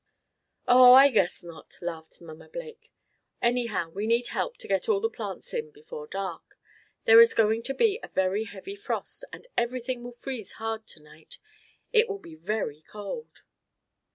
"Oh, I guess not," laughed Mamma Blake. "Anyhow we need help to get all the plants in before dark. There is going to be a very heavy frost, and everything will freeze hard to night. It will be very cold!"